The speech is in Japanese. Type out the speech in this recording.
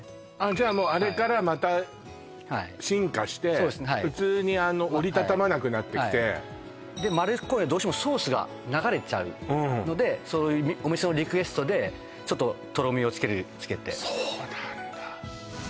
じゃあもうあれからまた進化して普通に折りたたまなくなってきてで丸っこいのはどうしてもソースが流れちゃうのでお店のリクエストでちょっととろみをつけてそうなんだ